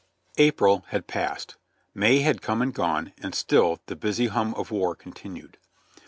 April had passed; May had come and gone and still the busy hum of war continued.